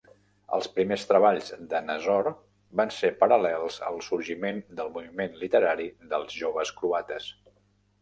Els primers treballs de Nazor van ser paral·lels al sorgiment del moviment literari dels Joves Croates.